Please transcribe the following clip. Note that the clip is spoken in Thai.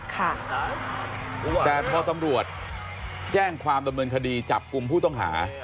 แต่พอตำรวจแจ้งความดำเนินคดีจับกลุ่มผู้ต้องหา